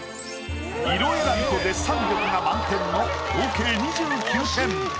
色選びとデッサン力が満点の合計２９点。